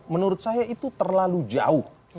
menurut saya itu terlalu jauh